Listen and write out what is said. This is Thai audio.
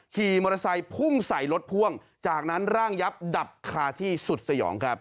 ขี่มอเตอร์ไซค์พุ่งใส่รถพ่วงจากนั้นร่างยับดับคาที่สุดสยองครับ